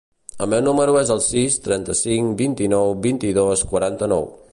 El meu número es el sis, trenta-cinc, vint-i-nou, vint-i-dos, quaranta-nou.